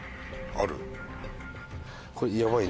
ある？